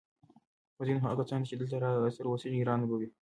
خو ځینو هغه کسانو ته چې دلته راسره اوسېږي ګرانه به وي